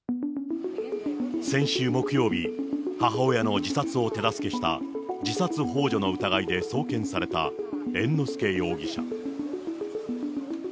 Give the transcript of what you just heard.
先週木曜日、母親の自殺を手助けした自殺ほう助の疑いで送検された猿之助容疑者。